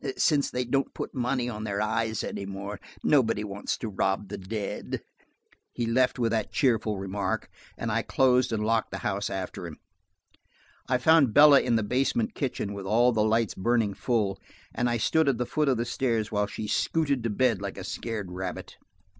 Since they don't put money on their eyes any more, nobody wants to rob the dead." He left with that cheerful remark, and I closed and locked the house after him. I found Bella in the basement kitchen with all the lights burning full, and I stood at the foot of the stairs while she scooted to bed like a scared rabbit.